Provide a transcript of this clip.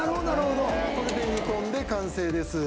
これで煮込んで完成です。